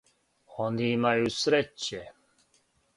Они имају среће.